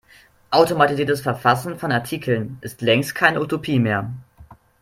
Automatisiertes Verfassen von Artikeln ist längst keine Utopie mehr.